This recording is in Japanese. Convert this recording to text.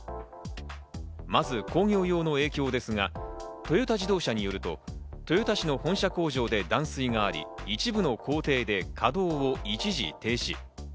まず工業用の影響ですが、トヨタ自動車によると、豊田市の本社工場で断水があり、一部の工程で稼働を一時停止。